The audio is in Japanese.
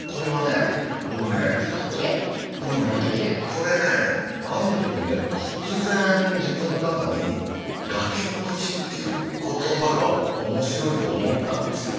これねある時突然自分の中に「崖っぷち」っていう言葉が面白いと思ったんですよ。